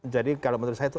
kalau menurut saya itu